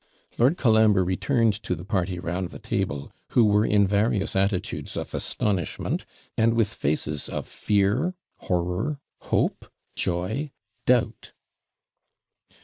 Lord Colambre returned to the party round the table, who were in various attitudes of astonishment, and with faces of fear, horror, hope, joy, doubt.